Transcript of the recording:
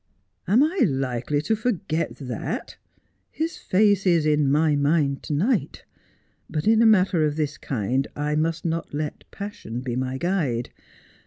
' Am I likely to forget that 1 His face is in my mind to night. But in a matter of this kind I must not let passion be my guide.